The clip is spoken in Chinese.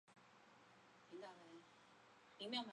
克里斯蒂娜馆是一座位于挪威利勒哈默尔的体育馆。